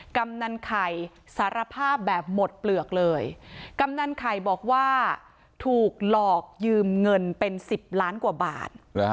กำนันไข่สารภาพแบบหมดเปลือกเลยกำนันไข่บอกว่าถูกหลอกยืมเงินเป็นสิบล้านกว่าบาท